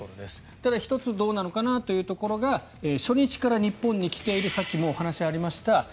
ただ、１つどうなのかなというところが初日から日本に来ているさっきもお話ありました